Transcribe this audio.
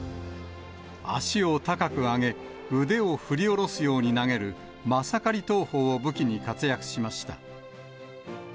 足を高く上げ、腕を振り下ろすように投げる、マサカリ投法を武器に活躍しました。